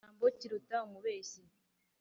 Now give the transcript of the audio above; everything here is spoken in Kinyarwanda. Igisambo kiruta umubeshyi,